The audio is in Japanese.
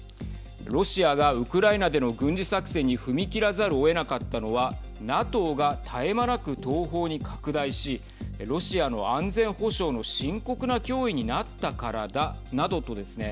ロシアがウクライナでの軍事作戦に踏み切らざるをえなかったのはＮＡＴＯが絶え間なく東方に拡大しロシアの安全保障の深刻な脅威になったからだなどとですね